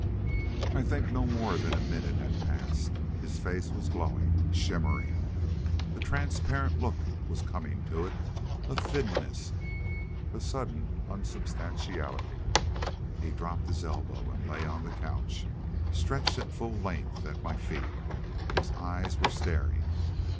I think no more than a minute had passed. His face was glowing, shimmering. A transparent look was coming to it, a thinness, a sudden unsubstantiality! He dropped his elbow and lay on the couch, stretched at full length at my feet. His eyes were staring.